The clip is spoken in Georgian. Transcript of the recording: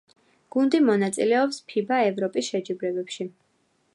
გუნდი მონაწილეობს ფიბა ევროპის შეჯიბრებებში.